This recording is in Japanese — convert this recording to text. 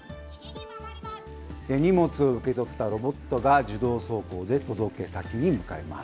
荷物を受け取ったロボットが自動走行で届け先に向かいます。